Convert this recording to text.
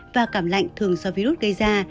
và cảm lạnh thường do virus gây ra